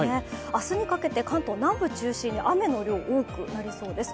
明日にかけて関東は南部を中心に雨の量が多くなりそうです。